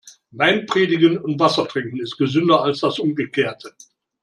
Wein predigen und Wasser trinken ist gesünder als das Umgekehrte.